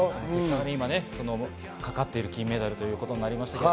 今、かかってる金メダルということになります。